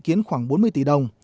dự kiến khoảng bốn mươi tỷ đồng